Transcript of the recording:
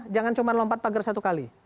jangan cuma lompat pagar satu kali